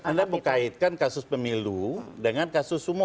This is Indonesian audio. karena mengkaitkan kasus pemilu dengan kasus umum